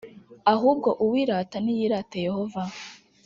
ahubwo uwirata niyirate yehova.